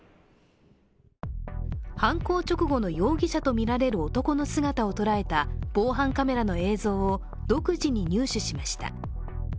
犯行直後の容疑者とみられる男の姿を捉えた防犯カメラの映像を独自に入手しました。